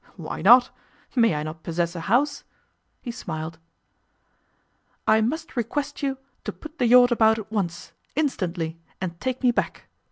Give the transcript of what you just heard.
'Why not? May I not possess a house?' He smiled. 'I must request you to put the yacht about at once, instantly, and take me back.